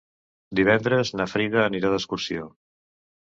Divendres na Frida anirà d'excursió.